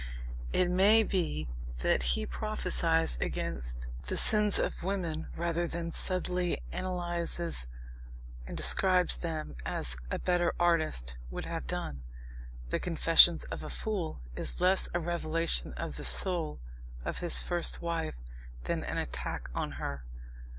It may be that he prophesies against the sins of women rather than subtly analyses and describes them as a better artist would have done. The Confessions of a Fool is less a revelation of the soul of his first wife than an attack on her.